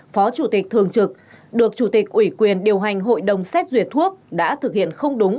phó chủ tịch thường trực được chủ tịch ủy quyền điều hành hội đồng xét duyệt thuốc đã thực hiện không đúng